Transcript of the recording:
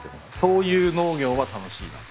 そういう農業は楽しいなと。